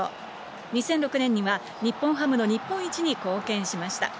２００６年には日本ハムの日本一に貢献しました。